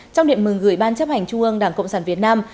trong điện mừng gửi ban chấp hành trung ương đảng cộng sản việt nam